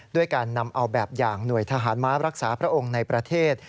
ด้วยการนำเอาแบบอย่างหน่วยทหารม้ารักษาพระองค์ในประเทศ